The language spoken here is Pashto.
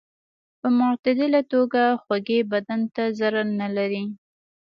په معتدله توګه خوږې بدن ته ضرر نه لري.